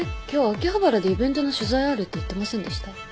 今日秋葉原でイベントの取材あるって言ってませんでした？